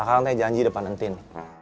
akang nanti janji depan entin